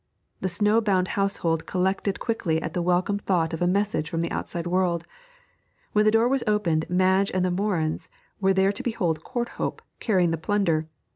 The snow bound household collected quickly at the welcome thought of a message from the outside world. When the door was opened Madge and the Morins were there to behold Courthope carrying the plunder.